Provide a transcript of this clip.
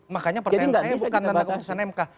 makanya pertanyaan saya bukan tanpa keputusan mk